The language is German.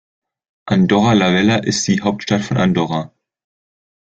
Andorra la Vella ist die Hauptstadt von Andorra.